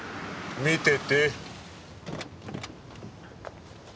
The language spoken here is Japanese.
見てて。